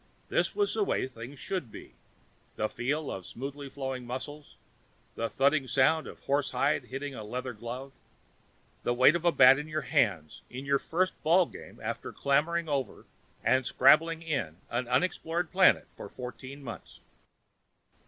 This was the way things should be: The feel of smoothly flowing muscles, the thudding sound of horsehide hitting a leather glove, the weight of a bat in your hands in your first ball game after clambering over and scrabbling in an unexplored planet for fourteen months.